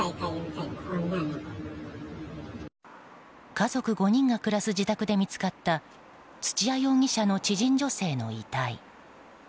家族５人が暮らす自宅で見つかった土屋容疑者の知人女性の遺体。